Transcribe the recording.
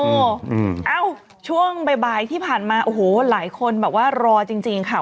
โอ้โหเอ้าช่วงบ่ายที่ผ่านมาโอ้โหหลายคนแบบว่ารอจริงค่ะ